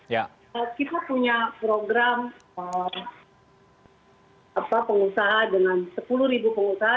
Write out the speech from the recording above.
ya bisa kita punya program pengusaha dengan sepuluh ribu pengusaha